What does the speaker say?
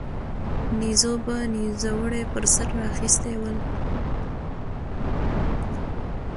نيزو به نيزوړي پر سر را اخيستي ول